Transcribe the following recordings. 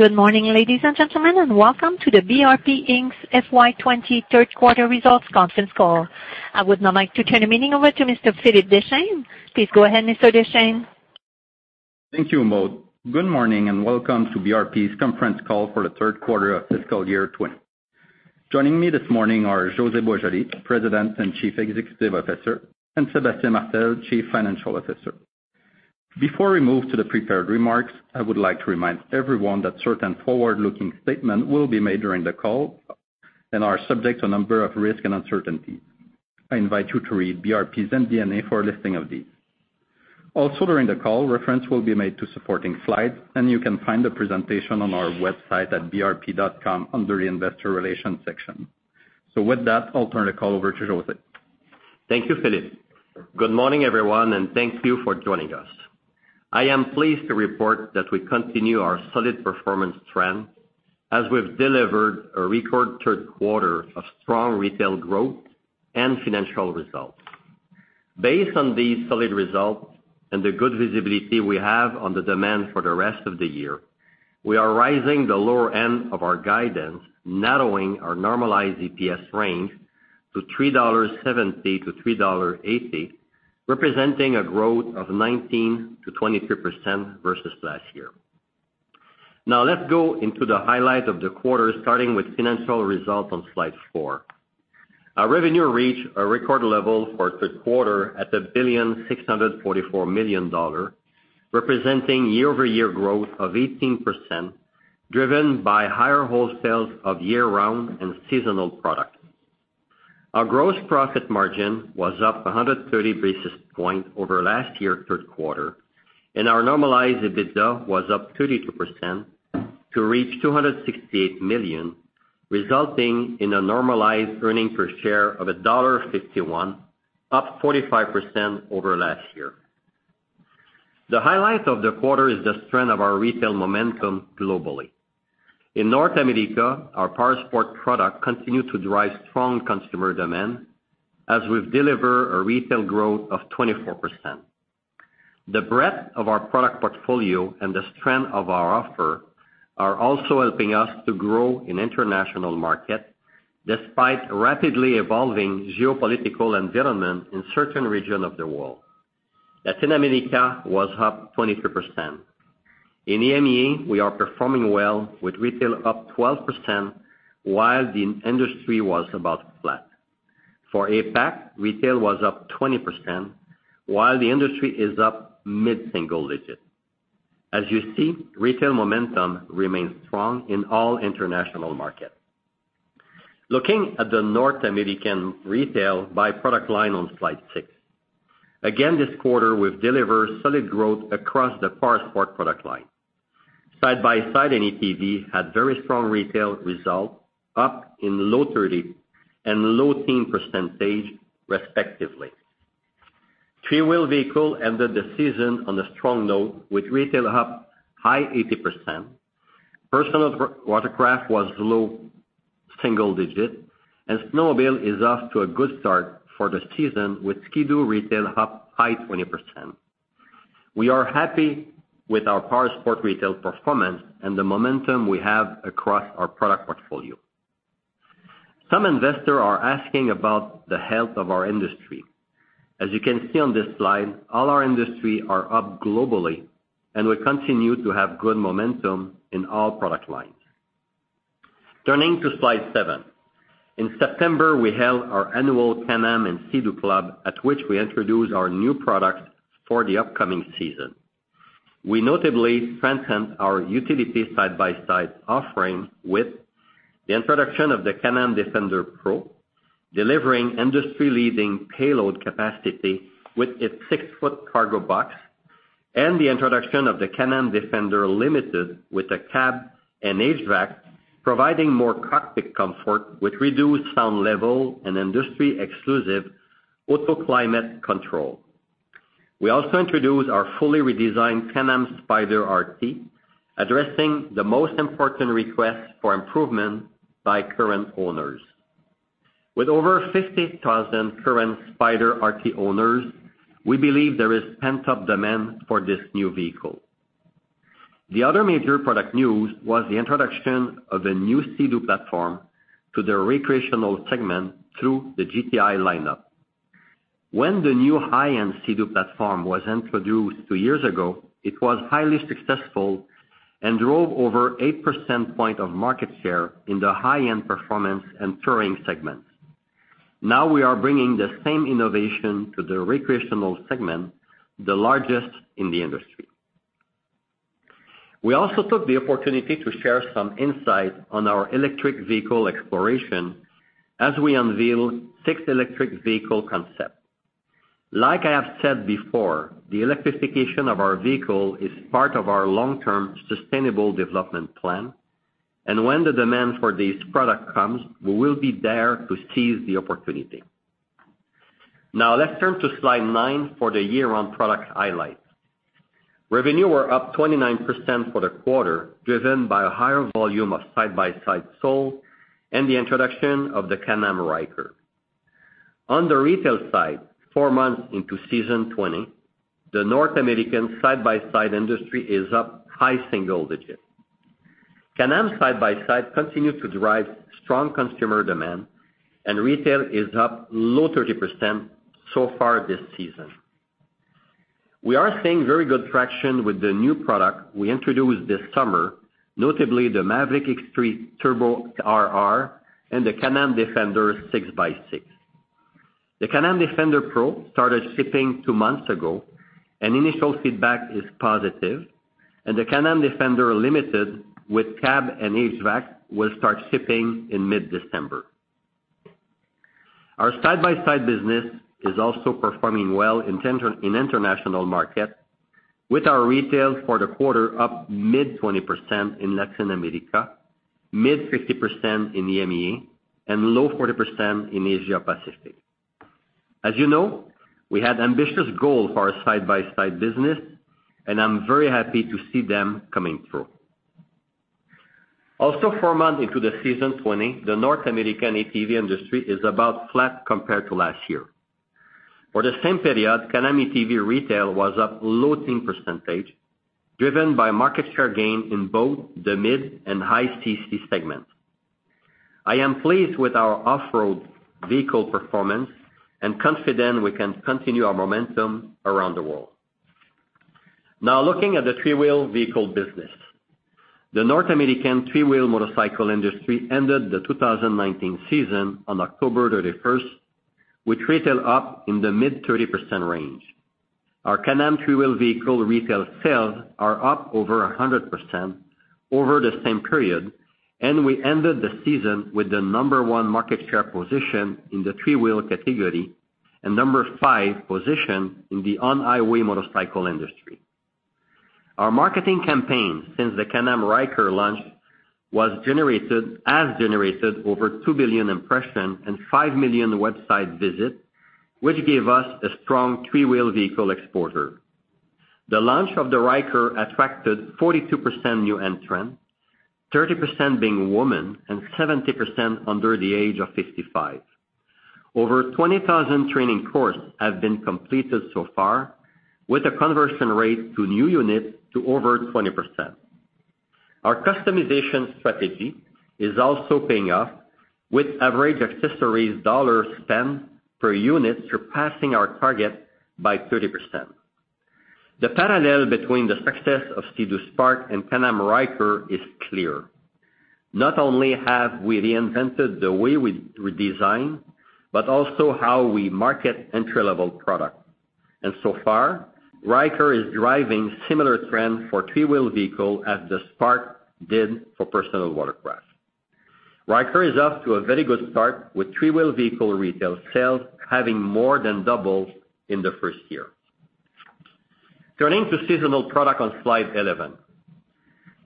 Good morning, ladies and gentlemen, welcome to BRP Inc.'s FY 2020 third quarter results conference call. I would now like to turn the meeting over to Mr. Philippe Deschênes. Please go ahead, Mr. Deschênes. Thank you, Maude. Good morning, and welcome to BRP's conference call for the third quarter of fiscal year 2020. Joining me this morning are José Boisjoli, President and Chief Executive Officer, and Sébastien Martel, Chief Financial Officer. Before we move to the prepared remarks, I would like to remind everyone that certain forward-looking statements will be made during the call and are subject to a number of risks and uncertainties. I invite you to read BRP's MD&A for a listing of these. Also, during the call, reference will be made to supporting slides, and you can find the presentation on our website at brp.com under the investor relations section. With that, I'll turn the call over to José. Thank you, Philippe. Good morning, everyone, and thank you for joining us. I am pleased to report that we continue our solid performance trend as we've delivered a record third quarter of strong retail growth and financial results. Based on these solid results and the good visibility we have on the demand for the rest of the year, we are raising the lower end of our guidance, narrowing our normalized EPS range to 3.70-3.80 dollars, representing a growth of 19%-23% versus last year. Let's go into the highlights of the quarter, starting with financial results on slide four. Our revenue reached a record level for a third quarter at 1.644 billion, representing year-over-year growth of 18%, driven by higher wholesales of year-round and seasonal products. Our gross profit margin was up 130 basis points over last year's third quarter. Our normalized EBITDA was up 32% to reach 268 million, resulting in a normalized earnings per share of dollar 1.51, up 45% over last year. The highlight of the quarter is the strength of our retail momentum globally. In North America, our powersports product continued to drive strong consumer demand as we've delivered a retail growth of 24%. The breadth of our product portfolio and the strength of our offer are also helping us to grow in international markets despite rapidly evolving geopolitical environment in certain regions of the world. Latin America was up 23%. In EMEA, we are performing well with retail up 12% while the industry was about flat. For APAC, retail was up 20% while the industry is up mid-single digits. As you see, retail momentum remains strong in all international markets. Looking at the North American retail by product line on slide six. Again, this quarter we've delivered solid growth across the powersport product line. Side-by-side and ATV had very strong retail results, up in the low 30s and low teens%, respectively. Three-wheel vehicles ended the season on a strong note with retail up high 18%. Personal watercraft was low single digits. Snowmobile is off to a good start for the season with Ski-Doo retail up high 20%. We are happy with our powersport retail performance and the momentum we have across our product portfolio. Some investors are asking about the health of our industry. As you can see on this slide, all our industries are up globally. We continue to have good momentum in all product lines. Turning to slide seven. In September, we held our annual Can-Am and Sea-Doo club, at which we introduced our new products for the upcoming season. We notably strengthened our utility side-by-side offering with the introduction of the Can-Am Defender PRO, delivering industry-leading payload capacity with its six-foot cargo box, and the introduction of the Can-Am Defender Limited with a cab and HVAC, providing more cockpit comfort with reduced sound level and industry-exclusive auto climate control. We also introduced our fully redesigned Can-Am Spyder RT, addressing the most important requests for improvement by current owners. With over 50,000 current Spyder RT owners, we believe there is pent-up demand for this new vehicle. The other major product news was the introduction of a new Sea-Doo platform to the recreational segment through the GTI lineup. When the new high-end Sea-Doo platform was introduced two years ago, it was highly successful and drove over 8% point of market share in the high-end performance and touring segments. We are bringing the same innovation to the recreational segment, the largest in the industry. We also took the opportunity to share some insight on our electric vehicle exploration as we unveiled six electric vehicle concepts. Like I have said before, the electrification of our vehicle is part of our long-term sustainable development plan. When the demand for these products comes, we will be there to seize the opportunity. Let's turn to slide nine for the year-on product highlights. Revenue was up 29% for the quarter, driven by a higher volume of side-by-side sold and the introduction of the Can-Am Ryker. On the retail side, four months into season 2020, the North American side-by-side industry is up high single digits. Can-Am side-by-side continued to drive strong consumer demand, and retail is up low 30% so far this season. We are seeing very good traction with the new product we introduced this summer, notably the Maverick X3 Turbo RR and the Can-Am Defender 6x6. The Can-Am Defender PRO started shipping two months ago, and initial feedback is positive, and the Can-Am Defender Limited with cab and HVAC will start shipping in mid-December. Our side-by-side business is also performing well in international markets, with our retails for the quarter up mid-20% in Latin America, mid-50% in EMEA, and low 40% in Asia Pacific. As you know, we had ambitious goals for our side-by-side business, and I'm very happy to see them coming through. Also, four months into the season 2020, the North American ATV industry is about flat compared to last year. For the same period, Can-Am ATV retail was up low single-percentage, driven by market share gain in both the mid and high CC segments. I am pleased with our off-road vehicle performance and confident we can continue our momentum around the world. Now, looking at the three-wheel vehicle business. The North American three-wheel motorcycle industry ended the 2019 season on October 31st, with retail up in the mid 30% range. Our Can-Am three-wheel vehicle retail sales are up over 100% over the same period, and we ended the season with the number 1 market share position in the three-wheel category and number 5 position in the on-highway motorcycle industry. Our marketing campaign since the Can-Am Ryker launch has generated over 2 billion impressions and 5 million website visits, which gave us a strong three-wheel vehicle exposure. The launch of the Ryker attracted 42% new entrants, 30% being women, and 70% under the age of 55. Over 20,000 training courses have been completed so far, with a conversion rate to new units to over 20%. Our customization strategy is also paying off, with average accessories dollars spent per unit surpassing our target by 30%. The parallel between the success of Sea-Doo Spark and Can-Am Ryker is clear. Not only have we reinvented the way we design, but also how we market entry-level products. So far, Ryker is driving similar trends for three-wheel vehicles as the Spark did for personal watercraft. Ryker is off to a very good start with three-wheel vehicle retail sales having more than doubled in the first year. Turning to seasonal product on slide 11.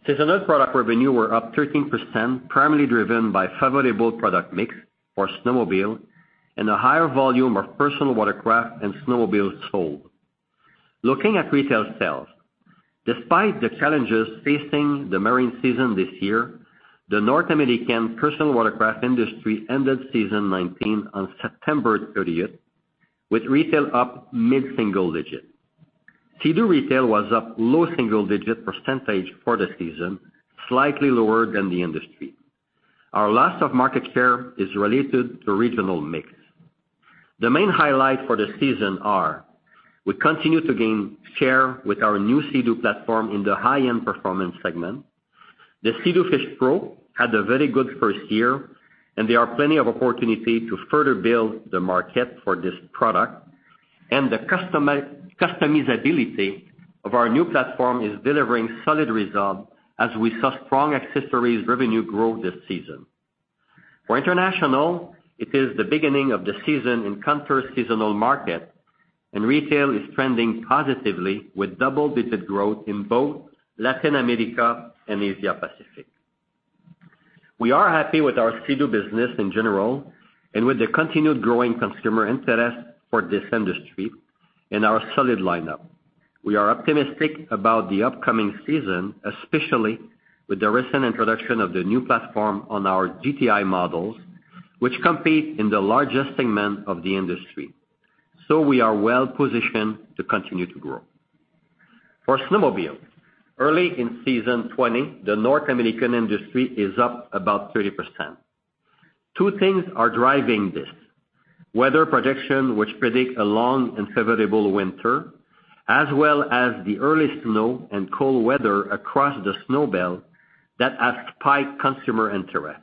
Seasonal product revenue were up 13%, primarily driven by favorable product mix for snowmobiles and a higher volume of personal watercraft and snowmobiles sold. Looking at retail sales, despite the challenges facing the marine season this year, the North American personal watercraft industry ended season 2019 on September 30th with retail up mid-single digits. Sea-Doo retail was up low single digit percentage for the season, slightly lower than the industry. Our loss of market share is related to regional mix. The main highlights for the season are we continue to gain share with our new Sea-Doo platform in the high-end performance segment. The Sea-Doo Fish Pro had a very good first year, and there are plenty of opportunities to further build the market for this product. The customizability of our new platform is delivering solid results as we saw strong accessories revenue growth this season. For international, it is the beginning of the season in counter-seasonal markets, and retail is trending positively with double-digit growth in both Latin America and Asia Pacific. We are happy with our Sea-Doo business in general and with the continued growing consumer interest for this industry and our solid lineup. We are optimistic about the upcoming season, especially with the recent introduction of the new platform on our GTI models, which compete in the largest segment of the industry. We are well positioned to continue to grow. For snowmobiles, early in season 2020, the North American industry is up about 30%. Two things are driving this. Weather projections, which predict a long and favorable winter, as well as the early snow and cold weather across the snow belt that has piqued consumer interest.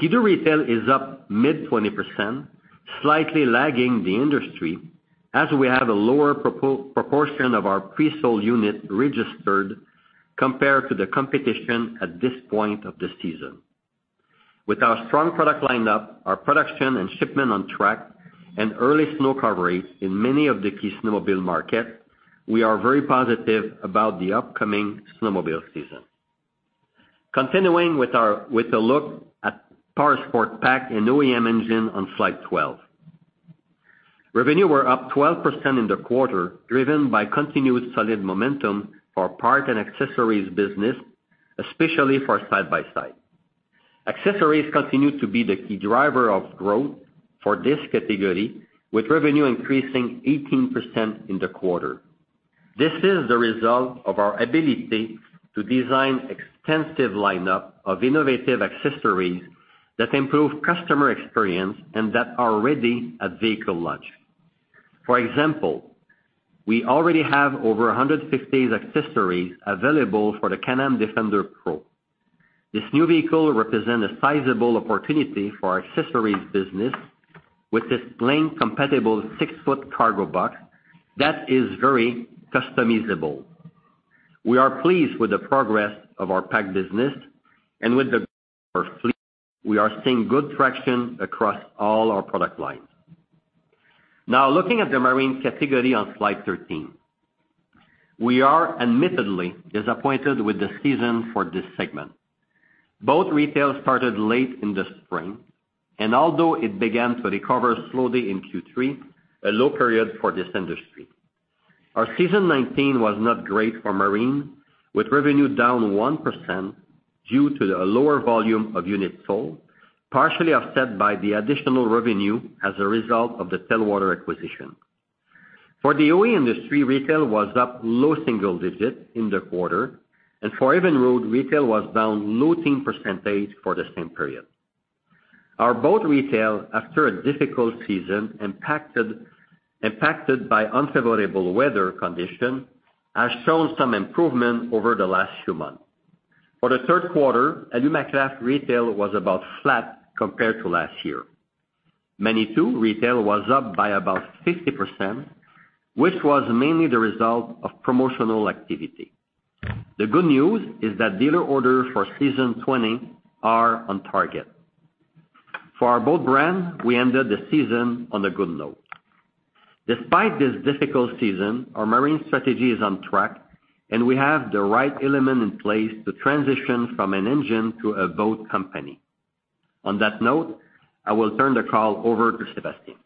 Sea-Doo retail is up mid-20%, slightly lagging the industry as we have a lower proportion of our pre-sold units registered compared to the competition at this point of the season. With our strong product lineup, our production and shipment on track, and early snow coverage in many of the key snowmobile markets, we are very positive about the upcoming snowmobile season. Continuing with a look at Powersport PAC and OEM engine on slide 12. Revenue were up 12% in the quarter, driven by continuous solid momentum for parts and accessories business, especially for side-by-side. Accessories continue to be the key driver of growth for this category, with revenue increasing 18% in the quarter. This is the result of our ability to design extensive lineup of innovative accessories that improve customer experience and that are ready at vehicle launch. For example, we already have over 150 accessories available for the Can-Am Defender PRO. This new vehicle represents a sizable opportunity for our accessories business with this plane-compatible six-foot cargo box that is very customizable. We are pleased with the progress of our PAC business and with the fleet. We are seeing good traction across all our product lines. Looking at the marine category on slide 13. We are admittedly disappointed with the season for this segment. Both retail started late in the spring, and although it began to recover slowly in Q3, a low period for this industry. Our season 19 was not great for marine, with revenue down 1% due to a lower volume of units sold, partially offset by the additional revenue as a result of the Telwater acquisition. For the OE industry, retail was up low single digits in the quarter, and for Evinrude, retail was down low teen percentage for the same period. Our boat retail, after a difficult season impacted by unfavorable weather conditions, has shown some improvement over the last few months. For the third quarter, Alumacraft retail was about flat compared to last year. Manitou retail was up by about 50%, which was mainly the result of promotional activity. The good news is that dealer orders for season 20 are on target. For our boat brand, we ended the season on a good note. Despite this difficult season, our marine strategy is on track, and we have the right element in place to transition from an engine to a boat company. On that note, I will turn the call over to Sébastien.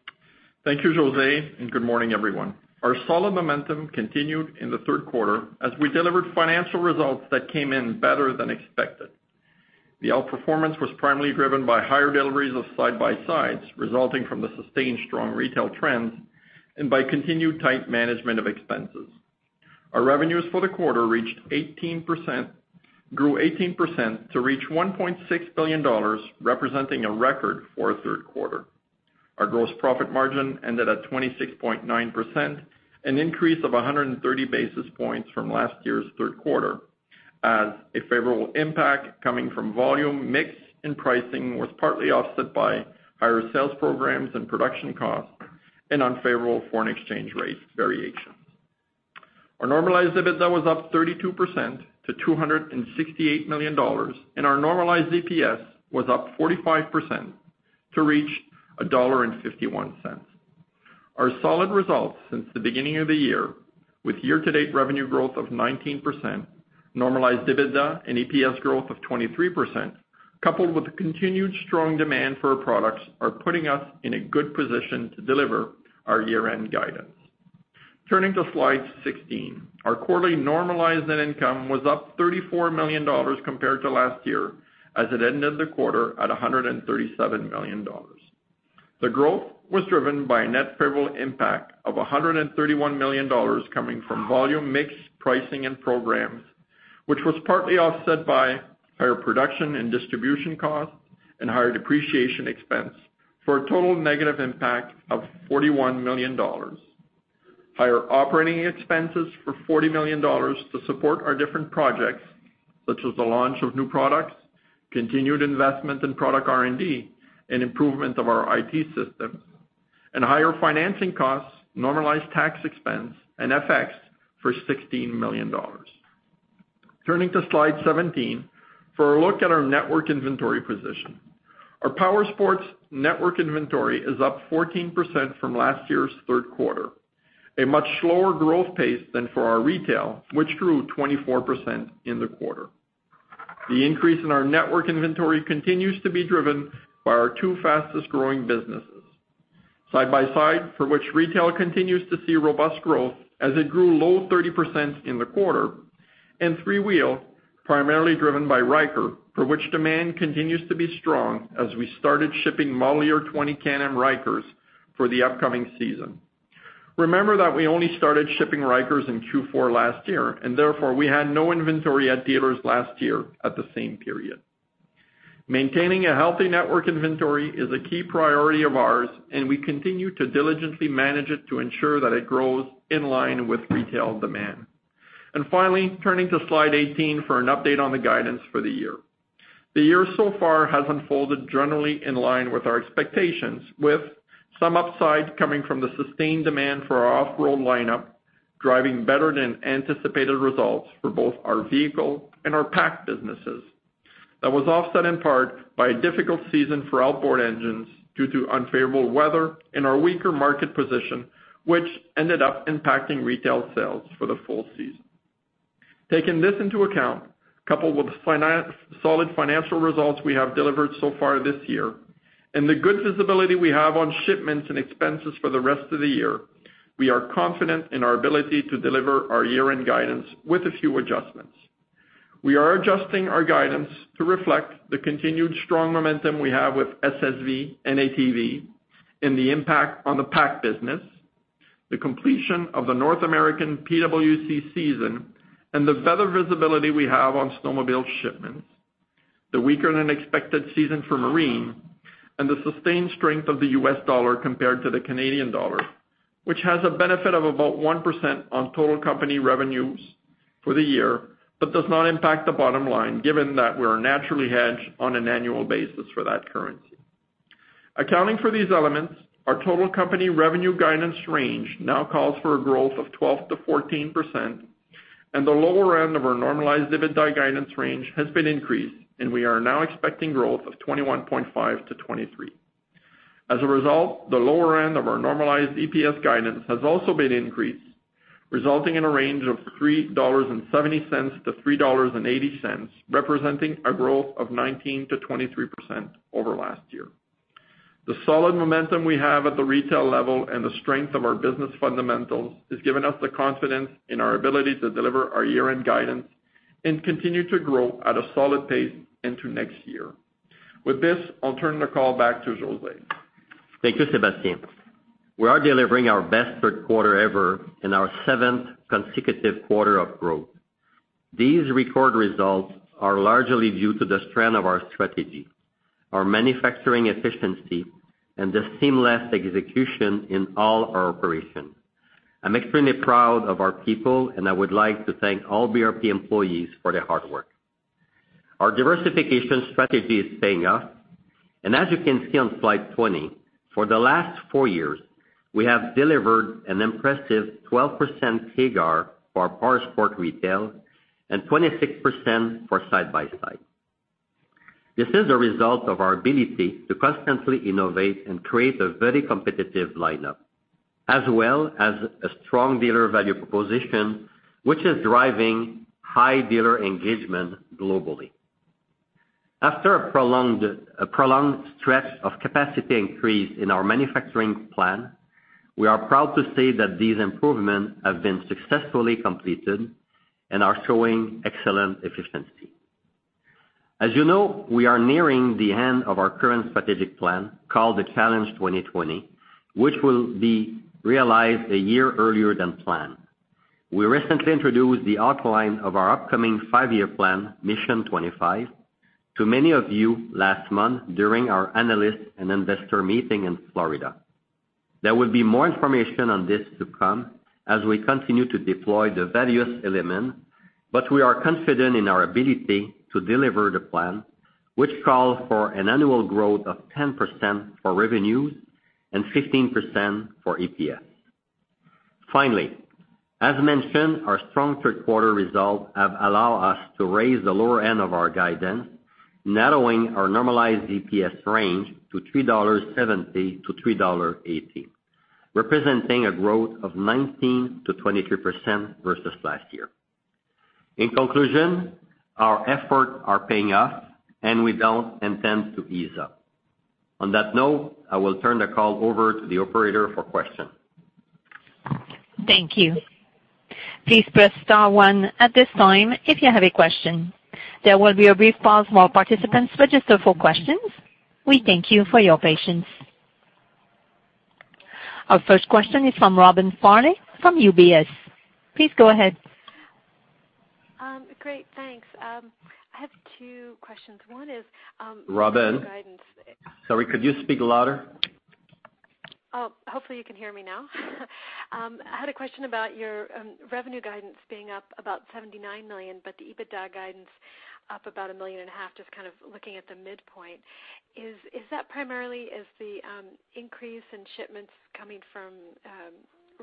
Thank you, José. Good morning, everyone. Our solid momentum continued in the third quarter as we delivered financial results that came in better than expected. The outperformance was primarily driven by higher deliveries of side-by-sides, resulting from the sustained strong retail trends, and by continued tight management of expenses. Our revenues for the quarter grew 18% to reach 1.6 billion dollars, representing a record for a third quarter. Our gross profit margin ended at 26.9%, an increase of 130 basis points from last year's third quarter, as a favorable impact coming from volume, mix, and pricing was partly offset by higher sales programs and production costs and unfavorable foreign exchange rate variations. Our normalized EBITDA was up 32% to 268 million dollars, and our normalized EPS was up 45% to reach 1.51 dollar. Our solid results since the beginning of the year, with year-to-date revenue growth of 19%, normalized EBITDA and EPS growth of 23%, coupled with the continued strong demand for our products, are putting us in a good position to deliver our year-end guidance. Turning to slide 16. Our quarterly normalized net income was up 34 million dollars compared to last year as it ended the quarter at 137 million dollars. The growth was driven by a net favorable impact of 131 million dollars coming from volume mix pricing and programs, which was partly offset by higher production and distribution costs and higher depreciation expense for a total negative impact of 41 million dollars. Higher operating expenses for 40 million dollars to support our different projects, such as the launch of new products, continued investment in product R&D, and improvement of our IT system, and higher financing costs, normalized tax expense and FX for 16 million dollars. Turning to slide 17 for a look at our network inventory position. Our powersports network inventory is up 14% from last year's third quarter, a much slower growth pace than for our retail, which grew 24% in the quarter. The increase in our network inventory continues to be driven by our two fastest-growing businesses. Side-by-side, for which retail continues to see robust growth as it grew low 30% in the quarter, and three-wheel, primarily driven by Ryker, for which demand continues to be strong as we started shipping model year 2020 Can-Am Rykers for the upcoming season. Remember that we only started shipping Rykers in Q4 last year, and therefore we had no inventory at dealers last year at the same period. Maintaining a healthy network inventory is a key priority of ours, and we continue to diligently manage it to ensure that it grows in line with retail demand. Finally, turning to slide 18 for an update on the guidance for the year. The year so far has unfolded generally in line with our expectations, with some upside coming from the sustained demand for our off-road lineup, driving better-than-anticipated results for both our vehicle and our PAC businesses. That was offset in part by a difficult season for outboard engines due to unfavorable weather and our weaker market position, which ended up impacting retail sales for the full season. Taking this into account, coupled with solid financial results we have delivered so far this year, and the good visibility we have on shipments and expenses for the rest of the year, we are confident in our ability to deliver our year-end guidance with a few adjustments. We are adjusting our guidance to reflect the continued strong momentum we have with SSV and ATV and the impact on the PAC business, the completion of the North American PWC season, and the better visibility we have on snowmobile shipments, the weaker-than-expected season for marine, and the sustained strength of the US dollar compared to the Canadian dollar, which has a benefit of about 1% on total company revenues for the year, but does not impact the bottom line given that we're naturally hedged on an annual basis for that currency. Accounting for these elements, our total company revenue guidance range now calls for a growth of 12%-14%. The lower end of our normalized EBITDA guidance range has been increased, and we are now expecting growth of 21.5%-23%. As a result, the lower end of our normalized EPS guidance has also been increased, resulting in a range of 3.70 dollars to 3.80 dollars, representing a growth of 19%-23% over last year. The solid momentum we have at the retail level and the strength of our business fundamentals has given us the confidence in our ability to deliver our year-end guidance and continue to grow at a solid pace into next year. With this, I'll turn the call back to José. Thank you, Sébastien. We are delivering our best third quarter ever in our seventh consecutive quarter of growth. These record results are largely due to the strength of our strategy, our manufacturing efficiency, and the seamless execution in all our operations. I'm extremely proud of our people, I would like to thank all BRP employees for their hard work. Our diversification strategy is paying off, as you can see on slide 20, for the last four years, we have delivered an impressive 12% CAGR for Powersport retail and 26% for Side-by-Side. This is a result of our ability to constantly innovate and create a very competitive lineup, as well as a strong dealer value proposition, which is driving high dealer engagement globally. After a prolonged stretch of capacity increase in our manufacturing plan, we are proud to say that these improvements have been successfully completed and are showing excellent efficiency. As you know, we are nearing the end of our current strategic plan, called the Challenge 2020, which will be realized a year earlier than planned. We recently introduced the outline of our upcoming five-year plan, Mission 25, to many of you last month during our analyst and investor meeting in Florida. There will be more information on this to come as we continue to deploy the various elements, but we are confident in our ability to deliver the plan, which calls for an annual growth of 10% for revenues and 15% for EPS. Finally, as mentioned, our strong third quarter results have allowed us to raise the lower end of our guidance, narrowing our normalized EPS range to 3.70-3.80 dollars, representing a growth of 19%-23% versus last year. In conclusion, our efforts are paying off, and we don't intend to ease up. On that note, I will turn the call over to the operator for questions. Thank you. Please press star one at this time if you have a question. There will be a brief pause while participants register for questions. We thank you for your patience. Our first question is from Robin Farley from UBS. Please go ahead. Great. Thanks. I have two questions. One is- Robin. Sorry, could you speak louder? Hopefully you can hear me now. I had a question about your revenue guidance being up about 79 million, but the EBITDA guidance up about CAD a million and a half, just kind of looking at the midpoint. Is that primarily the increase in shipments coming from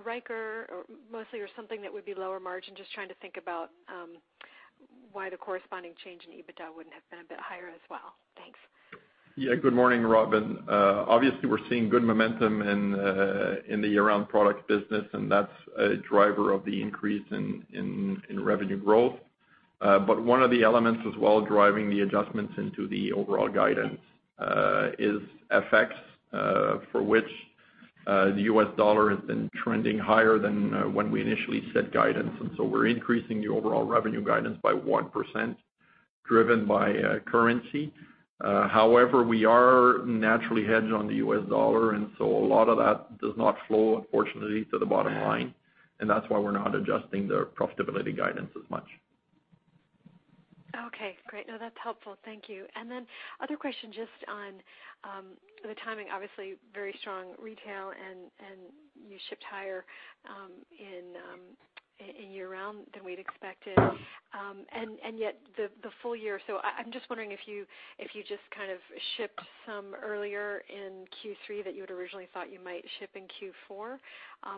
Ryker mostly or something that would be lower margin? Just trying to think about why the corresponding change in EBITDA wouldn't have been a bit higher as well. Thanks. Good morning, Robin. Obviously, we're seeing good momentum in the year-round product business, that's a driver of the increase in revenue growth. One of the elements as well driving the adjustments into the overall guidance is effects for which the U.S. dollar has been trending higher than when we initially set guidance. We're increasing the overall revenue guidance by 1%, driven by currency. However, we are naturally hedged on the U.S. dollar. A lot of that does not flow, unfortunately, to the bottom line, that's why we're not adjusting the profitability guidance as much. Okay, great. No, that's helpful. Thank you. Other question, just on the timing, obviously very strong retail and you shipped higher in year-round than we'd expected. The full year, I'm just wondering if you just kind of shipped some earlier in Q3 that you had originally thought you might ship in Q4,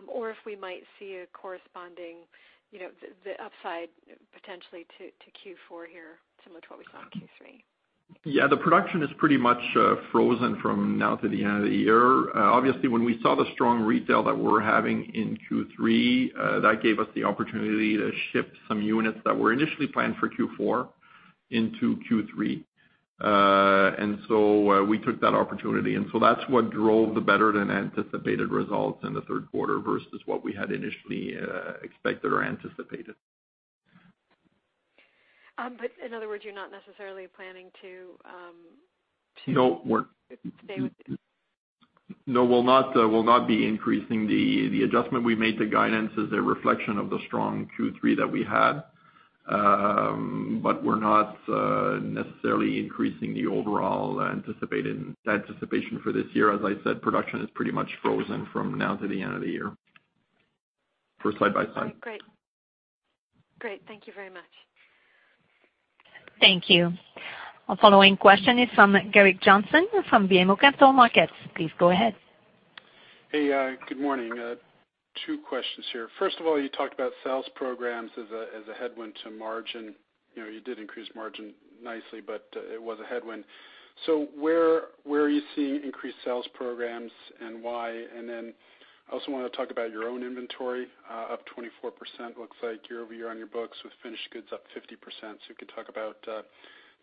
or if we might see a corresponding upside potentially to Q4 here similar to what we saw in Q3? Yeah, the production is pretty much frozen from now to the end of the year. Obviously, when we saw the strong retail that we're having in Q3, that gave us the opportunity to ship some units that were initially planned for Q4 into Q3. We took that opportunity, and so that's what drove the better than anticipated results in the third quarter versus what we had initially expected or anticipated. In other words, you're not necessarily planning. No, we're- Stay with it. No, we'll not be increasing the adjustment we made. The guidance is a reflection of the strong Q3 that we had. We're not necessarily increasing the overall anticipation for this year. As I said, production is pretty much frozen from now to the end of the year for side by side. All right, great. Thank you very much. Thank you. Our following question is from Gerrick Johnson with BMO Capital Markets. Please go ahead. Hey, good morning. Two questions here. First of all, you talked about sales programs as a headwind to margin. You did increase margin nicely, but it was a headwind. Where are you seeing increased sales programs and why? I also want to talk about your own inventory, up 24% looks like year-over-year on your books with finished goods up 50%. You could talk about the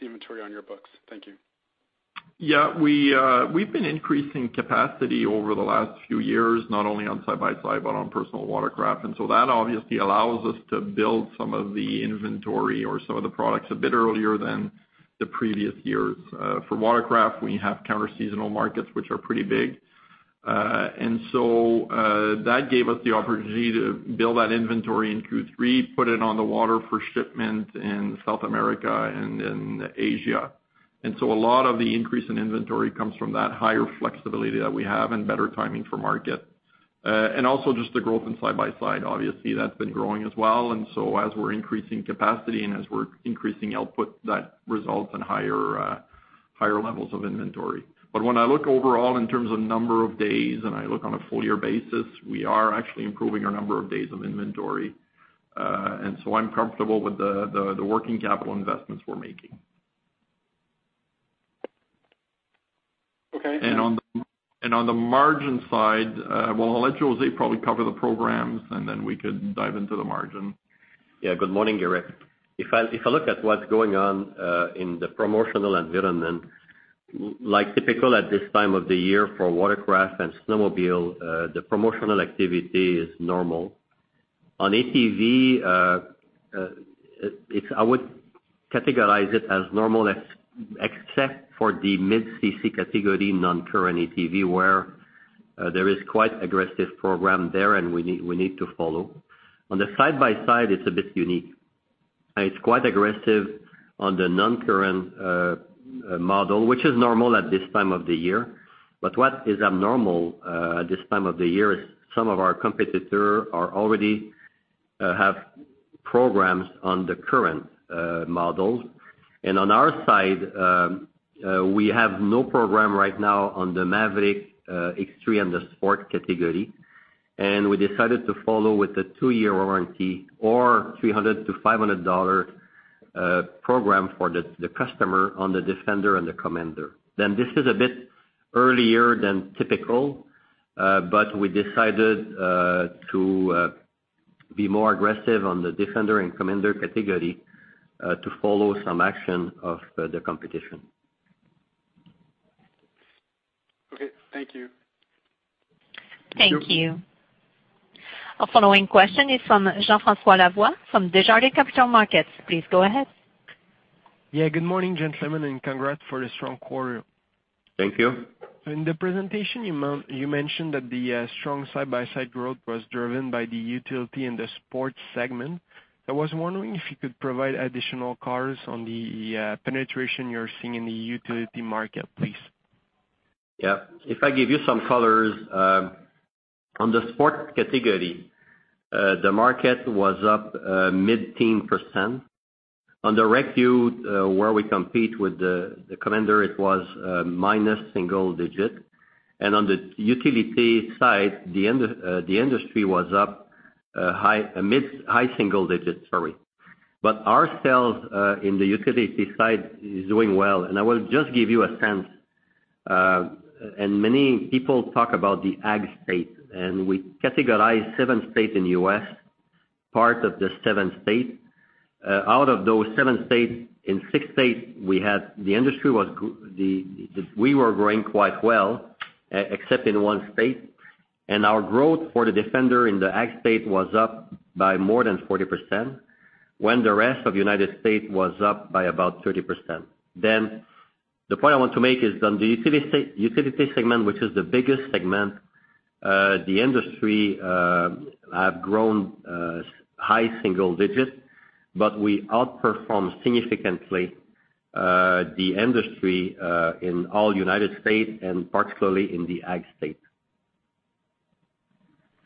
inventory on your books. Thank you. We've been increasing capacity over the last few years, not only on side-by-side, but on personal watercraft. That obviously allows us to build some of the inventory or some of the products a bit earlier than the previous years. For watercraft, we have counter seasonal markets, which are pretty big. That gave us the opportunity to build that inventory in Q3, put it on the water for shipment in South America and in Asia. A lot of the increase in inventory comes from that higher flexibility that we have and better timing for market. Just the growth in side-by-side. Obviously, that's been growing as well. As we're increasing capacity and as we're increasing output, that results in higher levels of inventory. When I look overall in terms of number of days, and I look on a full year basis, we are actually improving our number of days of inventory. I'm comfortable with the working capital investments we're making. Okay. On the margin side, well, I'll let José probably cover the programs, and then we could dive into the margin. Good morning, Gerrick. If I look at what's going on in the promotional environment, like typical at this time of the year for watercraft and snowmobile, the promotional activity is normal. On ATV, I would categorize it as normal except for the mid CC category, non-current ATV, where there is quite aggressive program there. We need to follow. On the side by side, it's a bit unique. It's quite aggressive on the non-current model, which is normal at this time of the year. What is abnormal, at this time of the year is some of our competitor already have programs on the current models. On our side, we have no program right now on the Maverick X3 and the sport category. We decided to follow with the two-year warranty or 300 to 500 dollar program for the customer on the Defender and the Commander. This is a bit earlier than typical, but we decided to be more aggressive on the Defender and Commander category, to follow some action of the competition. Okay. Thank you. Thank you. Our following question is from Jean-François Lavoie from Desjardins Capital Markets. Please go ahead. Yeah. Good morning, gentlemen, and congrats for a strong quarter. Thank you. In the presentation, you mentioned that the strong side-by-side growth was driven by the utility and the sports segment. I was wondering if you could provide additional color on the penetration you're seeing in the utility market, please. Yeah. If I give you some colors, on the sports category, the market was up mid-teen %. On the Rec Utility, where we compete with the Commander, it was minus single digit. On the utility side, the industry was up mid-high single digits, sorry. Our sales in the utility side is doing well, and I will just give you a sense. Many people talk about the ag state, and we categorize seven states in the U.S., part of the seven states. Out of those seven states, in six states, we were growing quite well, except in one state. Our growth for the Defender in the ag state was up by more than 40%, when the rest of United States was up by about 30%. The point I want to make is on the utility segment, which is the biggest segment, the industry have grown high single digits, but we outperformed significantly, the industry in all U.S. and particularly in the ag state.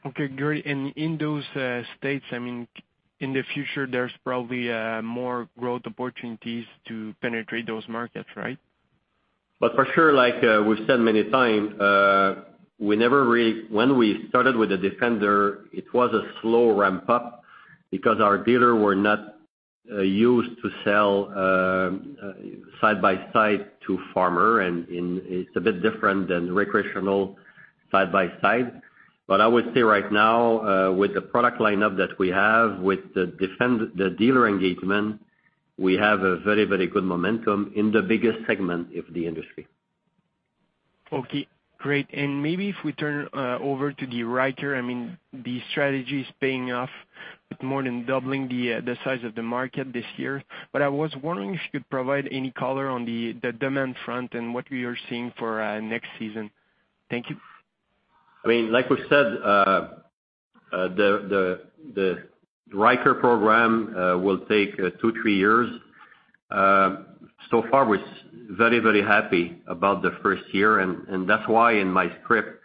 Okay, great. In those states, in the future, there's probably more growth opportunities to penetrate those markets, right? For sure, like we've said many times, when we started with the Defender, it was a slow ramp-up because our dealers were not used to sell side-by-side to farmer, and it's a bit different than recreational side-by-side. I would say right now, with the product line-up that we have with the Defender, the dealer engagement, we have a very good momentum in the biggest segment of the industry. Okay, great. Maybe if we turn over to the Ryker, the strategy is paying off with more than doubling the size of the market this year. I was wondering if you could provide any color on the demand front and what we are seeing for next season. Thank you. Like we said, the Ryker program will take two, three years. So far, we're very happy about the first year, and that's why in my script,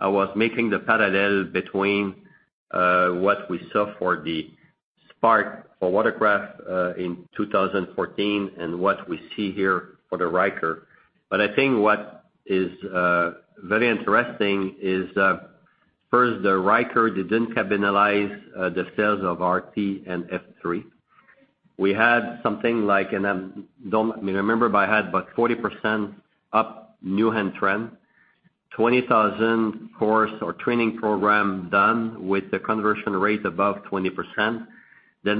I was making the parallel between what we saw for the Spark for Watercraft, in 2014 and what we see here for the Ryker. I think what is very interesting is, first, the Ryker, they didn't cannibalize the sales of RT and F3. We had something like, I don't remember by heart, but 40% up new hand trend, 20,000 course or training program done with the conversion rate above 20%.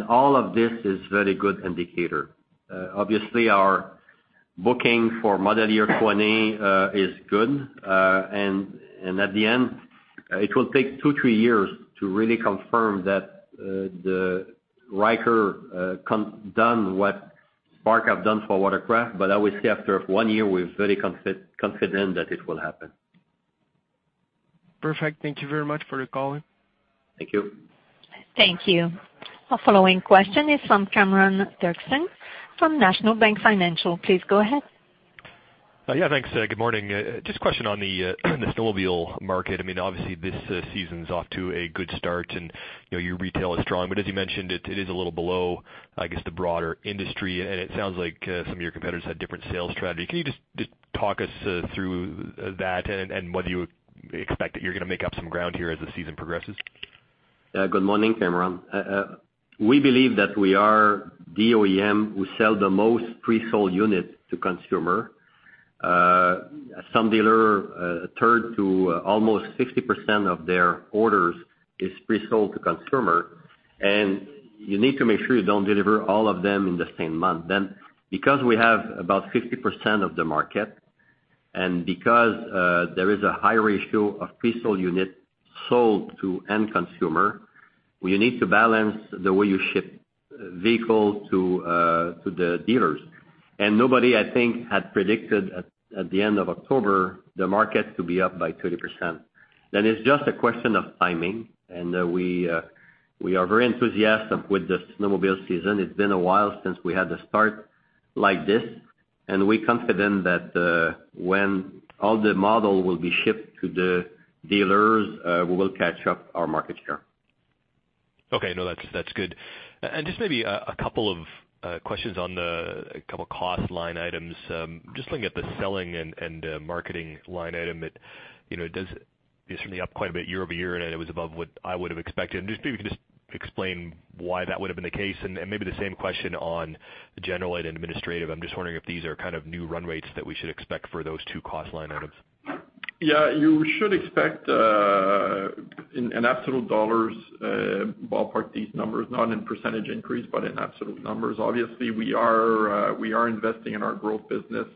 All of this is very good indicator. Obviously, our booking for model year 2020 is good. At the end, it will take two, three years to really confirm that the Ryker done what Spark have done for Watercraft. I would say after one year, we're very confident that it will happen. Perfect. Thank you very much for the call. Thank you. Thank you. Our following question is from Cameron Doerksen from National Bank Financial. Please go ahead. Yeah, thanks. Good morning. Just a question on the snowmobile market. Obviously, this season's off to a good start, and your retail is strong, but as you mentioned, it is a little below, I guess, the broader industry, and it sounds like some of your competitors had different sales strategy. Can you just talk us through that and whether you expect that you're going to make up some ground here as the season progresses? Good morning, Cameron. We believe that we are the OEM who sell the most pre-sold units to consumer. Some dealer turned to almost 60% of their orders is pre-sold to consumer. You need to make sure you don't deliver all of them in the same month. Because we have about 50% of the market, and because there is a high ratio of pre-sold unit sold to end consumer, we need to balance the way you ship vehicle to the dealers. Nobody, I think, had predicted at the end of October the market to be up by 30%. It's just a question of timing, and we are very enthusiastic with the snowmobile season. It's been a while since we had the start like this. We're confident that when all the model will be shipped to the dealers, we will catch up our market share. Okay. No, that's good. Just maybe a couple of questions on the couple cost line items. Just looking at the selling and marketing line item, it certainly up quite a bit year-over-year, it was above what I would have expected, just maybe you could just explain why that would have been the case and maybe the same question on the general and administrative. I'm just wondering if these are kind of new run rates that we should expect for those two cost line items. You should expect in absolute dollars, ballpark these numbers, not in percentage increase, but in absolute numbers. Obviously, we are investing in our growth business.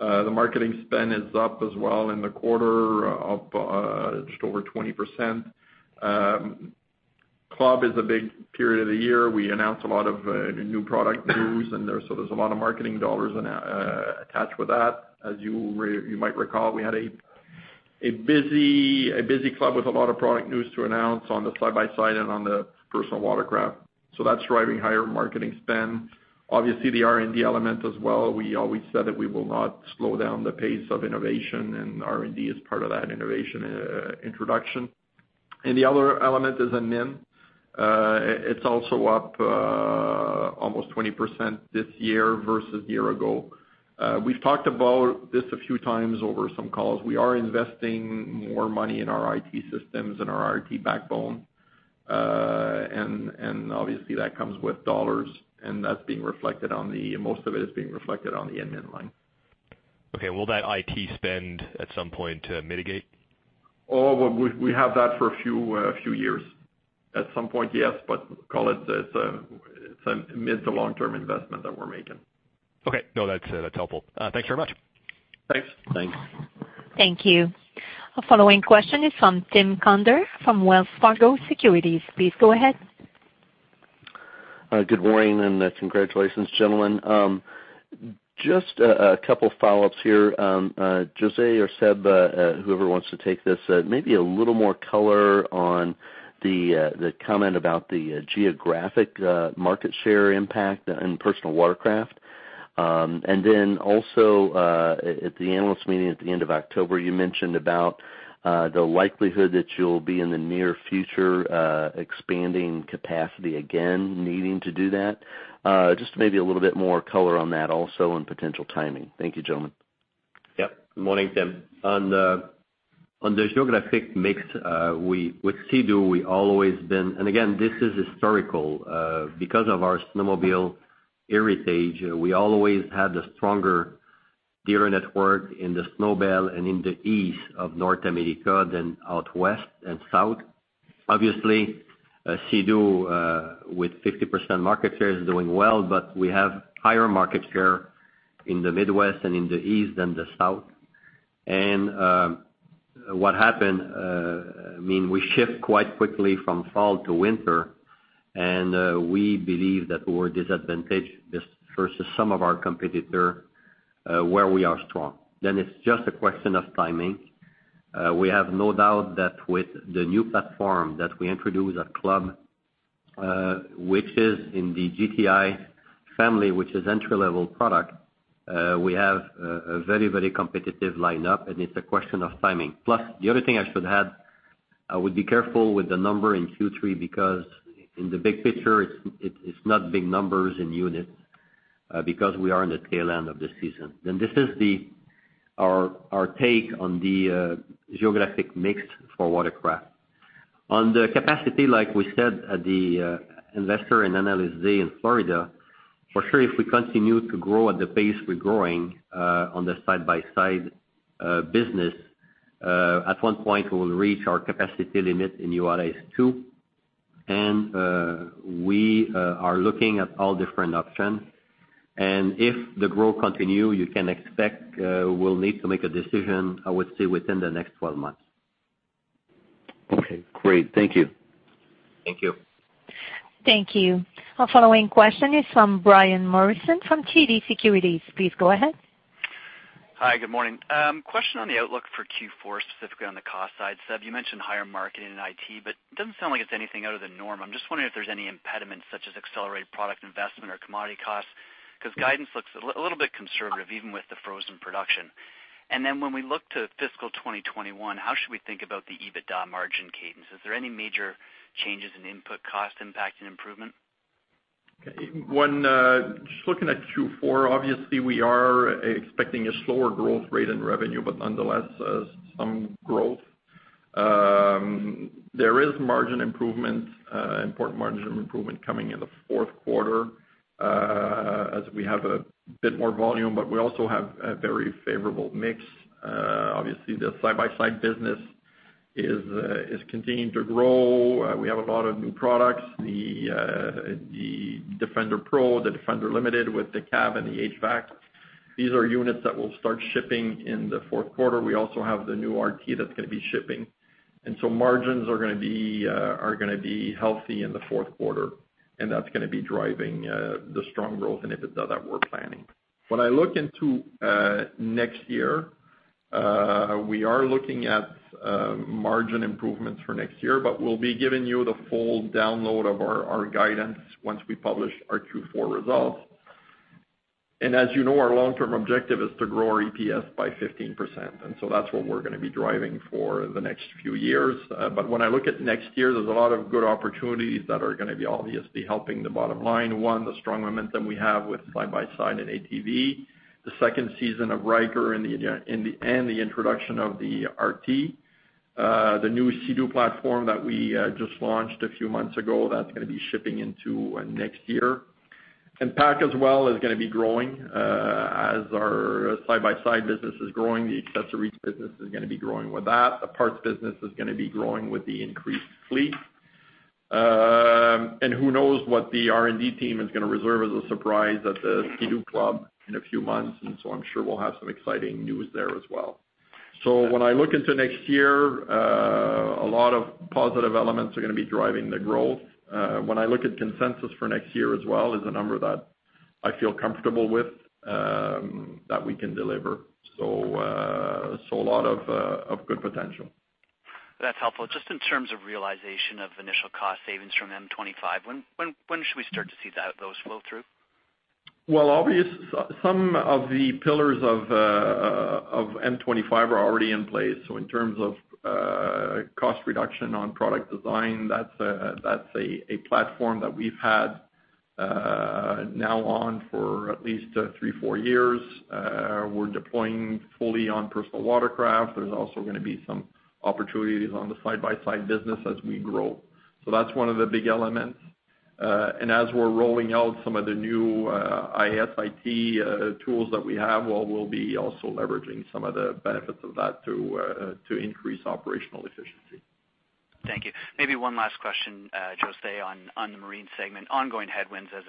The marketing spend is up as well in the quarter up just over 20%. club is a big period of the year. We announced a lot of new product news, there's a lot of marketing dollars attached with that. As you might recall, we had a busy club with a lot of product news to announce on the side-by-side and on the personal watercraft. That's driving higher marketing spend. Obviously, the R&D element as well. We always said that we will not slow down the pace of innovation, R&D is part of that innovation introduction. The other element is admin. It's also up almost 20% this year versus year ago. We've talked about this a few times over some calls. We are investing more money in our IT systems and our IT backbone. Obviously, that comes with dollars, and most of it is being reflected on the admin line. Okay. Will that IT spend at some point mitigate? Oh, we have that for a few years. At some point, yes, but call it's a mid to long-term investment that we're making. Okay. No, that's helpful. Thanks very much. Thanks. Thanks. Thank you. Our following question is from Tim Conder from Wells Fargo Securities. Please go ahead. Good morning, and congratulations, gentlemen. Just a couple follow-ups here. José or Sébastien, whoever wants to take this, maybe a little more color on the comment about the geographic market share impact in personal watercraft. Also, at the analyst meeting at the end of October, you mentioned about the likelihood that you'll be in the near future expanding capacity again, needing to do that. Just maybe a little bit more color on that also and potential timing. Thank you, gentlemen. Yeah. Good morning, Tim. On the geographic mix, with Sea-Doo, we always been. Again, this is historical. Because of our snowmobile heritage, we always had a stronger dealer network in the snow belt and in the East of North America than out west and South. Obviously, Sea-Doo, with 50% market share, is doing well. We have higher market share in the Midwest and in the East than the South. What happened, we shift quite quickly from fall to winter, and we believe that we're disadvantaged versus some of our competitor, where we are strong. It's just a question of timing. We have no doubt that with the new platform that we introduce at Club, which is in the GTI family, which is entry-level product, we have a very competitive lineup and it's a question of timing. The other thing I should add, I would be careful with the number in Q3 because in the big picture, it's not big numbers in units, because we are in the tail end of the season. This is our take on the geographic mix for watercraft. On the capacity, like we said at the investor and analyst day in Florida, for sure, if we continue to grow at the pace we're growing, on the side-by-side business, at one point, we will reach our capacity limit in Valcourt II, and we are looking at all different options. If the growth continue, you can expect we'll need to make a decision, I would say within the next 12 months. Okay, great. Thank you. Thank you. Thank you. Our following question is from Brian Morrison from TD Securities. Please go ahead. Hi, good morning. Question on the outlook for Q4, specifically on the cost side. Seb, you mentioned higher marketing in IT. It doesn't sound like it's anything out of the norm. I'm just wondering if there's any impediments such as accelerated product investment or commodity costs, because guidance looks a little bit conservative even with the frozen production. When we look to fiscal 2021, how should we think about the EBITDA margin cadence? Is there any major changes in input cost impacting improvement? Looking at Q4, obviously, we are expecting a slower growth rate in revenue, nonetheless, some growth. There is margin improvement, important margin improvement coming in the fourth quarter, as we have a bit more volume, we also have a very favorable mix. Obviously, the side-by-side business is continuing to grow. We have a lot of new products, the Defender PRO, the Defender Limited with the cab and the HVAC. These are units that will start shipping in the fourth quarter. We also have the new RT that's going to be shipping. Margins are going to be healthy in the fourth quarter, and that's going to be driving the strong growth in EBITDA that we're planning. When I look into next year, we are looking at margin improvements for next year, but we will be giving you the full download of our guidance once we publish our Q4 results. As you know, our long-term objective is to grow our EPS by 15%, and so that is what we are going to be driving for the next few years. When I look at next year, there is a lot of good opportunities that are going to be obviously helping the bottom line. One, the strong momentum we have with side-by-side and ATV. The second season of Ryker and the introduction of the RT. The new Sea-Doo platform that we just launched a few months ago, that is going to be shipping into next year. PAC as well is going to be growing, as our side-by-side business is growing, the accessories business is going to be growing with that. The parts business is going to be growing with the increased fleet. Who knows what the R&D team is going to reserve as a surprise at the Sea-Doo Club in a few months. I'm sure we'll have some exciting news there as well. When I look into next year, a lot of positive elements are going to be driving the growth. When I look at consensus for next year as well is a number that I feel comfortable with, that we can deliver. A lot of good potential. That's helpful. Just in terms of realization of initial cost savings from M25, when should we start to see those flow through? Some of the pillars of M25 are already in place. In terms of cost reduction on product design, that's a platform that we've had now on for at least three, four years. We're deploying fully on personal watercraft. There's also going to be some opportunities on the side-by-side business as we grow. That's one of the big elements. As we're rolling out some of the new IS/IT tools that we have, we'll be also leveraging some of the benefits of that to increase operational efficiency. Thank you. Maybe one last question, José, on the marine segment. Ongoing headwinds as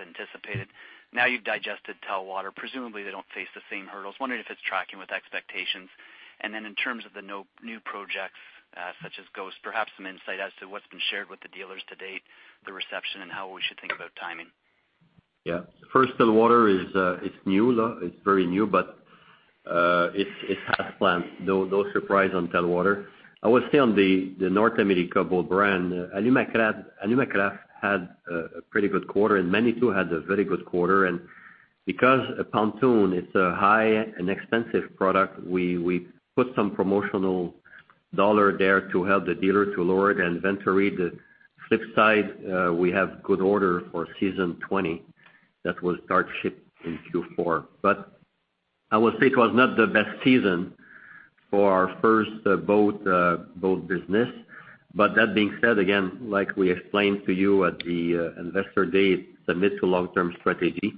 anticipated. Now you've digested Telwater, presumably they don't face the same hurdles. Wondering if it's tracking with expectations. Then in terms of the new projects, such as Ghost, perhaps some insight as to what's been shared with the dealers to date, the reception, and how we should think about timing. First, Telwater is new. It's very new. It has plans. No surprise on Telwater. I would say on the North America boat brand, Alumacraft had a pretty good quarter. Manitou had a very good quarter. Because a pontoon is a high and expensive product, we put some promotional CAD there to help the dealer to lower the inventory. The flip side, we have good order for season 2020 that will start to ship in Q4. I would say it was not the best season for our first boat business. That being said, again, like we explained to you at the Investor Day, it's a mid to long-term strategy,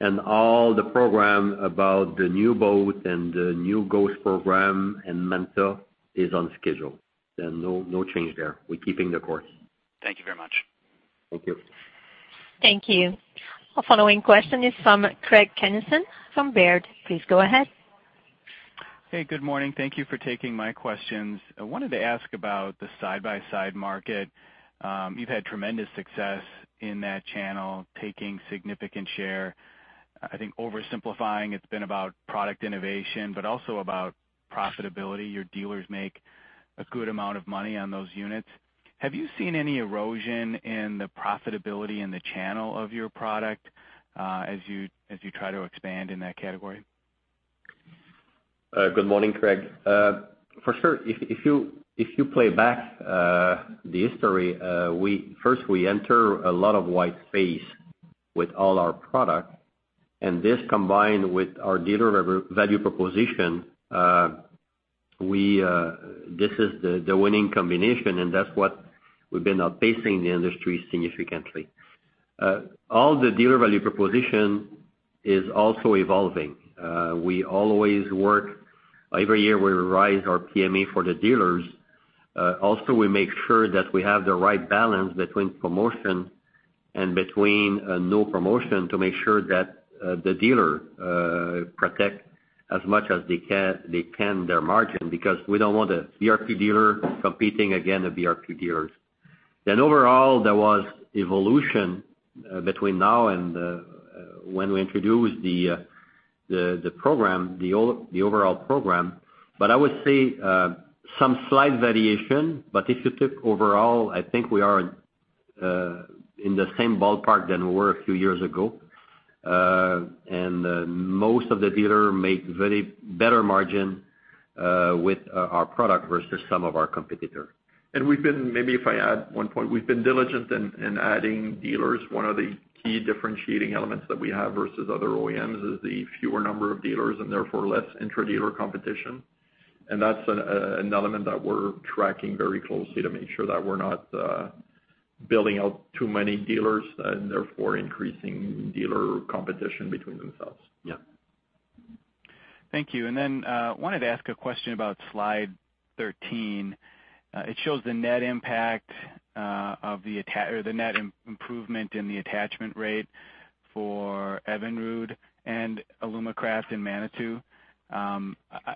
and all the program about the new boat and the new Ghost program and Manitou is on schedule. No change there. We're keeping the course. Thank you very much. Thank you. Thank you. Our following question is from Craig Kennison from Baird. Please go ahead. Hey, good morning. Thank you for taking my questions. I wanted to ask about the side-by-side market. You've had tremendous success in that channel, taking significant share. I think oversimplifying, it's been about product innovation, but also about profitability. Your dealers make a good amount of money on those units. Have you seen any erosion in the profitability in the channel of your product, as you try to expand in that category? Good morning, Craig. For sure, if you play back the history, first we enter a lot of white space with all our product, and this combined with our dealer value proposition, this is the winning combination, and that's what we've been outpacing the industry significantly. All the dealer value proposition is also evolving. We always work, every year we rise our PMA for the dealers. We make sure that we have the right balance between promotion and between no promotion to make sure that the dealer protect as much as they can their margin, because we don't want a BRP dealer competing against a BRP dealer. Overall, there was evolution between now and when we introduced the program, the overall program. I would say some slight variation, but if you took overall, I think we are in the same ballpark than we were a few years ago. Most of the dealer make very better margin with our product versus some of our competitor. Maybe if I add one point, we've been diligent in adding dealers. One of the key differentiating elements that we have versus other OEMs is the fewer number of dealers, and therefore less intra-dealer competition. That's an element that we're tracking very closely to make sure that we're not building out too many dealers and therefore increasing dealer competition between themselves. Yeah. Thank you. Wanted to ask a question about slide 13. It shows the net impact or the net improvement in the attachment rate for Evinrude and Alumacraft and Manitou. I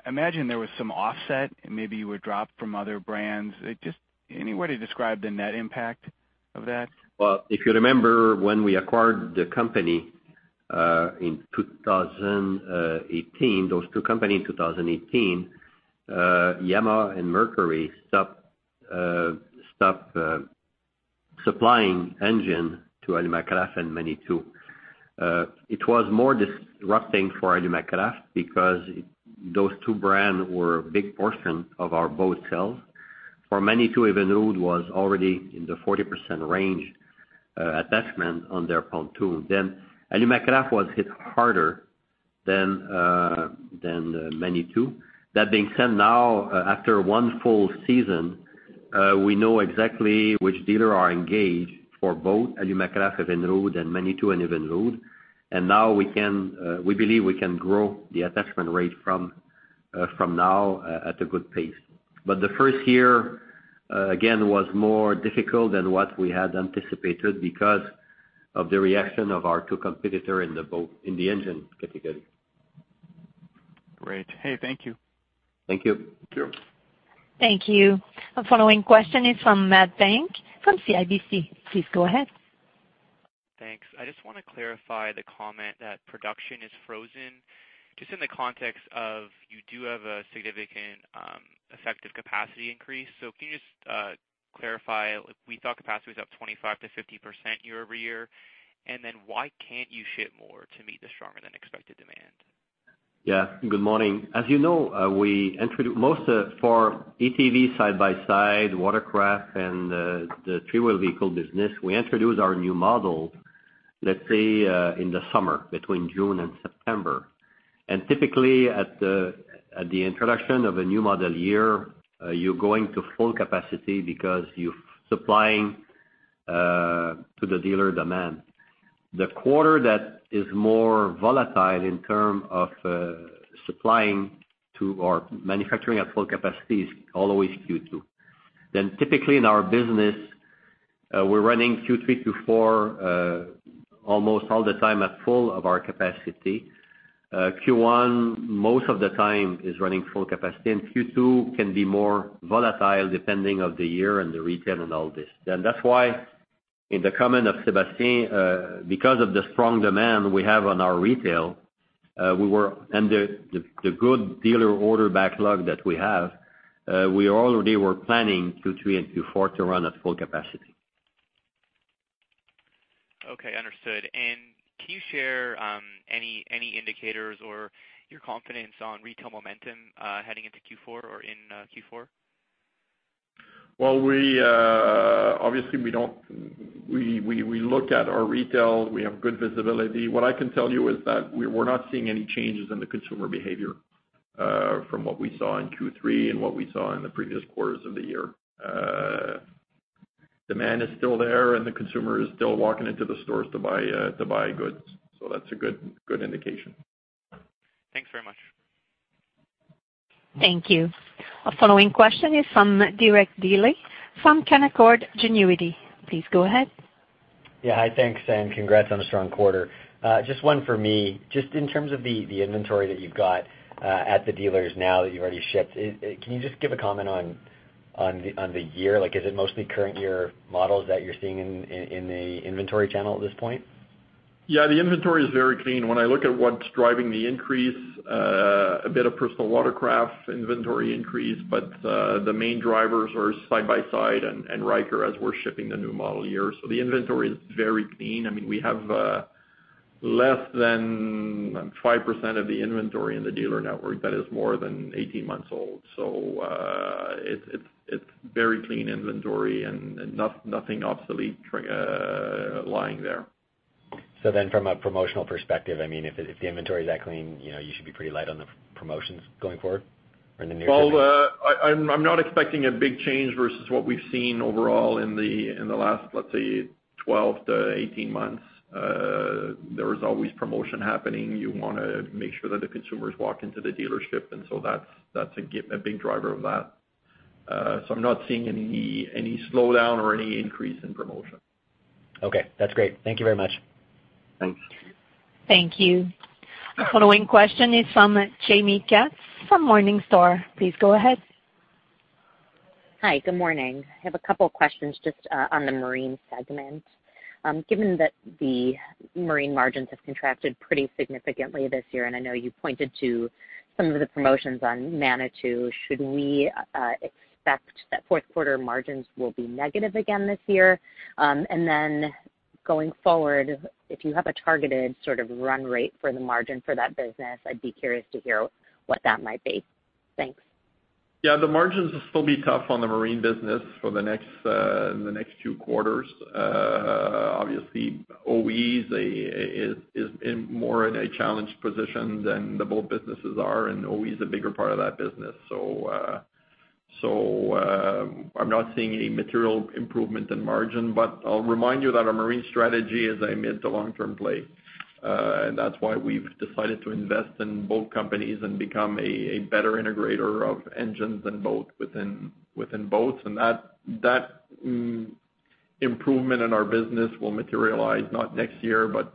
imagine there was some offset, maybe you were dropped from other brands. Just any way to describe the net impact of that? Well, if you remember when we acquired those two company in 2018, Yamaha and Mercury stopped supplying engine to Alumacraft and Manitou. It was more disrupting for Alumacraft because those two brands were a big portion of our boat sales. For Manitou, Evinrude was already in the 40% range, attachment on their pontoon. Alumacraft was hit harder than Manitou. That being said, now after one full season, we know exactly which dealer are engaged for both Alumacraft/Evinrude and Manitou and Evinrude. Now we believe we can grow the attachment rate from now at a good pace. The first year, again, was more difficult than what we had anticipated because of the reaction of our two competitor in the engine category. Great. Hey, thank you. Thank you. Thank you. Thank you. Our following question is from Matt Bank from CIBC. Please go ahead. Thanks. I just want to clarify the comment that production is frozen, just in the context of you do have a significant effective capacity increase. Can you just clarify, like we thought capacity was up 25%-50% year-over-year? Why can't you ship more to meet the stronger than expected demand? Good morning. As you know, for ETV side by side, watercraft, and the three-wheel vehicle business, we introduce our new model, let's say, in the summer between June and September. Typically at the introduction of a new model year, you're going to full capacity because you're supplying to the dealer demand. The quarter that is more volatile in terms of supplying to or manufacturing at full capacity is always Q2. Typically in our business, we're running Q3, Q4 almost all the time at full of our capacity. Q1, most of the time is running full capacity, Q2 can be more volatile depending of the year and the retail and all this. That's why in the comment of Sébastien, because of the strong demand we have on our retail, and the good dealer order backlog that we have, we already were planning Q3 and Q4 to run at full capacity. Okay, understood. Can you share any indicators or your confidence on retail momentum heading into Q4 or in Q4? Well, obviously, we look at our retail. We have good visibility. What I can tell you is that we're not seeing any changes in the consumer behavior from what we saw in Q3 and what we saw in the previous quarters of the year. Demand is still there, and the consumer is still walking into the stores to buy goods. That's a good indication. Thanks very much. Thank you. Our following question is from Derek Dley from Canaccord Genuity. Please go ahead. Yeah. Hi, thanks. Congrats on a strong quarter. Just one for me. Just in terms of the inventory that you've got at the dealers now that you've already shipped, can you just give a comment on the year? Is it mostly current year models that you're seeing in the inventory channel at this point? Yeah, the inventory is very clean. When I look at what's driving the increase, a bit of personal watercraft inventory increase, but the main drivers are side-by-side and Ryker, as we're shipping the new model year. The inventory is very clean. We have less than 5% of the inventory in the dealer network that is more than 18 months old. It's very clean inventory and nothing obsolete lying there. From a promotional perspective, if the inventory is that clean, you should be pretty light on the promotions going forward or in the near term? Well, I'm not expecting a big change versus what we've seen overall in the last, let's say, 12 to 18 months. There is always promotion happening. You want to make sure that the consumers walk into the dealership. That's a big driver of that. I'm not seeing any slowdown or any increase in promotion. Okay, that's great. Thank you very much. Thanks. Thank you. Our following question is from Jaime Katz from Morningstar. Please go ahead. Hi, good morning. I have a couple questions just on the marine segment. Given that the marine margins have contracted pretty significantly this year, and I know you pointed to some of the promotions on Manitou, should we expect that fourth quarter margins will be negative again this year? Going forward, if you have a targeted sort of run rate for the margin for that business, I'd be curious to hear what that might be. Thanks. Yeah, the margins will still be tough on the marine business for the next two quarters. Obviously, OE is in more a challenged position than the boat businesses are, and OE is a bigger part of that business. I'm not seeing any material improvement in margin. I'll remind you that our marine strategy is a mid to long-term play. That's why we've decided to invest in both companies and become a better integrator of engines and boat within boats. That improvement in our business will materialize not next year, but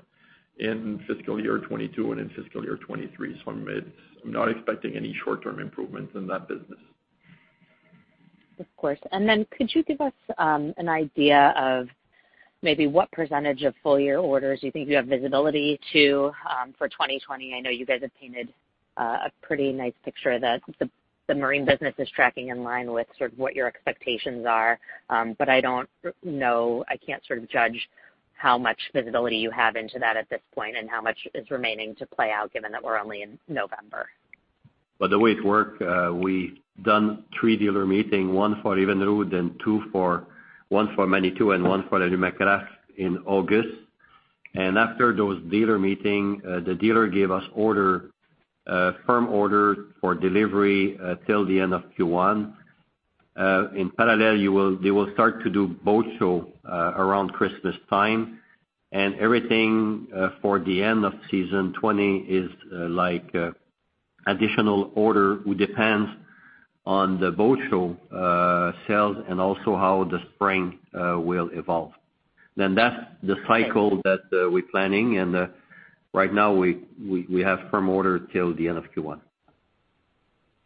in fiscal year 2022 and in fiscal year 2023. I'm not expecting any short-term improvements in that business. Of course. Then could you give us an idea of maybe what percentage of full-year orders you think you have visibility to for 2020? I know you guys have painted a pretty nice picture that the marine business is tracking in line with sort of what your expectations are. I don't know, I can't sort of judge how much visibility you have into that at this point and how much is remaining to play out, given that we're only in November. By the way it work, we done three dealer meeting, one for Evinrude and one for Manitou, and one for the new Alumacraft in August. After those dealer meeting, the dealer gave us firm order for delivery till the end of Q1. In parallel, they will start to do boat show around Christmas time, and everything for the end of season 2020 is like additional order who depends on the boat show sales and also how the spring will evolve. That's the cycle that we're planning, and right now we have firm order till the end of Q1.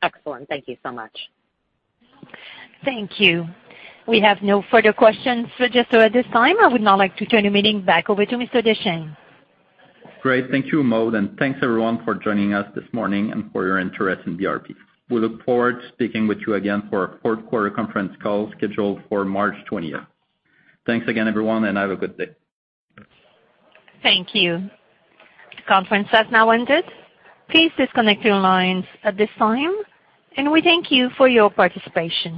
Excellent. Thank you so much. Thank you. We have no further questions just at this time. I would now like to turn the meeting back over to Mr. Deschênes. Great. Thank you, Maude. Thanks everyone for joining us this morning and for your interest in BRP. We look forward to speaking with you again for our fourth quarter conference call scheduled for March 20th. Thanks again, everyone. Have a good day. Thank you. The conference has now ended. Please disconnect your lines at this time, and we thank you for your participation.